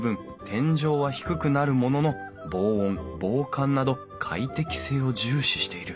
天井は低くなるものの防音防寒など快適性を重視している